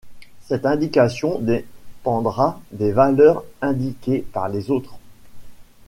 Cette indication dépendra des valeurs indiquées par les autres.